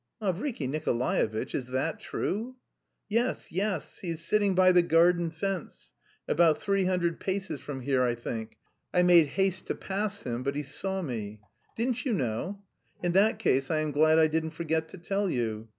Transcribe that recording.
"Mavriky Nikolaevitch? Is that true?" "Yes, yes. He is sitting by the garden fence. About three hundred paces from here, I think. I made haste to pass him, but he saw me. Didn't you know? In that case I am glad I didn't forget to tell you.